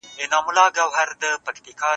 ميرزاحنان بارکزى محقق کندهار شمس الدين کاکړ